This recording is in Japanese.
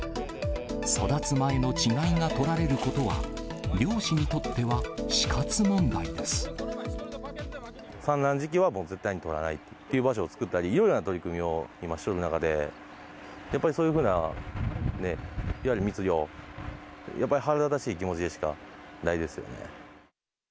育つ前の稚貝が採られることは、産卵時期はもう絶対に採らないっていう場所を作ったり、いろいろな取り組みを今している中で、やっぱりそういうふうなね、いわゆる密漁、やっぱり腹立たしい気持ちでしかないですよね。